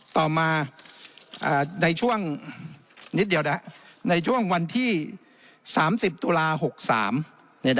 ต่อมาในช่วงวันที่๓๐ตุลา๖๓